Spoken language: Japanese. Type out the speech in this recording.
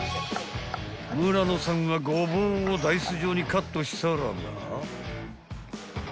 ［村野さんはゴボウをダイス状にカットしたらば］